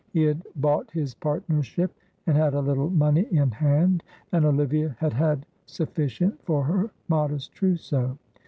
He had bought his partnership and had a little money in hand, and Olivia had had sufficient for her modest trousseau.